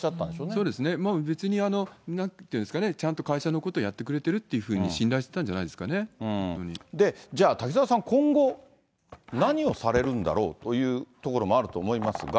そうですね、もう別に、ちゃんと会社のことやってくれてるというふうに信頼してたんじゃじゃあ、滝沢さん、今後、何をされるんだろうというところもあると思いますが。